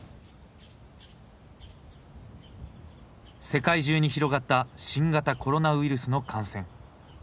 世界中に広がった新型コロナウイルスの感染。